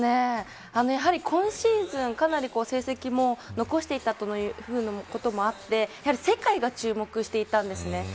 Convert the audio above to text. やはり今シーズンかなり成績も残していたというふうなこともあって世界が注目していたんですね。